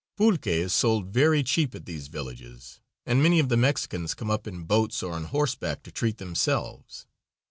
Pulque is sold very cheap at these villages, and many of the Mexicans come up in boats or on horseback to treat themselves.